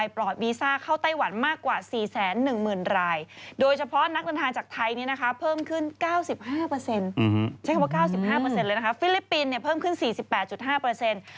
เพิ่มขึ้น๔๘๕เปอร์เซ็นต์